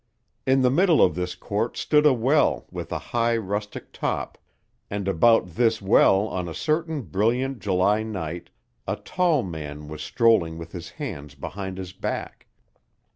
In the middle of this court stood a well with a high rustic top, and about this well on a certain brilliant July night, a tall man was strolling with his hands behind his back.